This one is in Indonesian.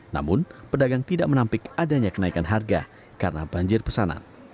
namun pedagang tidak menampik adanya kenaikan harga karena banjir pesanan